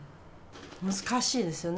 難しいですよね。